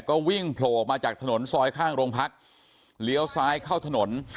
ก็วิ่งโผล่ออกมาจากถนนซอยข้างโรงพักเลี้ยวซ้ายเข้าถนน